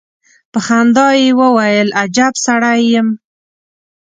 په خندا يې وويل: اجب سړی يم.